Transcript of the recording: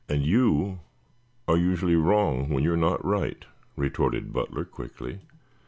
"And you are usually wrong when you are not right," retorted Butler quickly.